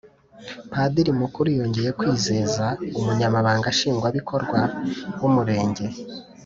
padiri mukuru yongeye kwizeza umunyamabanga nshingwabikorwa w’umurenge